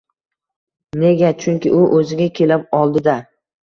Nega? Chunki u o‘ziga kelib oldi-da!